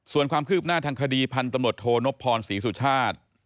ส่วนความคืบหน้าทางคดีพันธุ์ตำรวจโทนพพรศรีสุชาติ